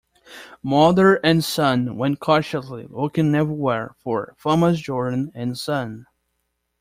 Mother and son went cautiously, looking everywhere for “Thomas Jordan and Son”.